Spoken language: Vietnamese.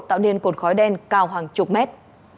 tạo nên cột khói đen cao hàng chục mét